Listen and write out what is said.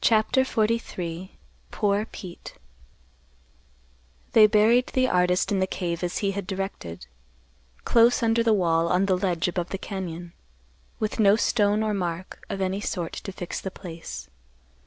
CHAPTER XLIII. POOR PETE. They buried the artist in the cave as he had directed, close under the wall on the ledge above the cañon, with no stone or mark of any sort to fix the place.